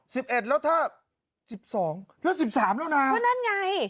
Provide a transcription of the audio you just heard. สิบเอ็ดแล้วถ้าสิบสองถ้าสิบสามแล้วนะก็นั่นไง